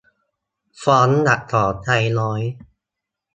ฟอนต์อักษรไทน้อย